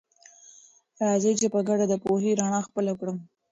راځئ چې په ګډه د پوهې رڼا خپله کړه.